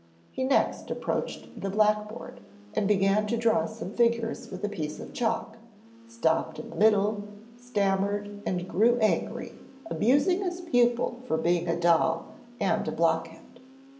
He next approached the blackboard, and began to draw some figures with a piece of chalk, stopped in the middle, stammered and grew angry, abusing his pupil for being a doll and a blockhead.